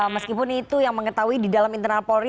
meskipun itu yang mengetahui di dalam internal polri